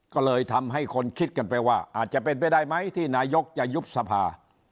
ก็เลยทำให้คนคิดกันไปว่าอาจจะเป็นไปได้ไหมที่นายกจะยุบสภา